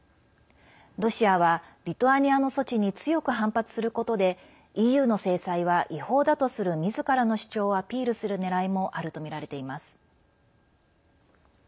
ロシアは、リトアニアの措置に強く反発することでＥＵの制裁は違法だとするみずからの主張をアピールするねらいもあるとみられています。